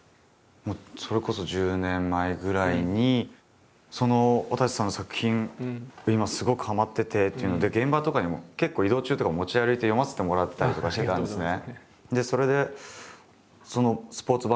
もうそれこそ１０年前ぐらいに「わたせさんの作品今すごくはまってて」っていうので現場とかにも結構移動中とか持ち歩いて読ませてもらったりとかしてたんですね。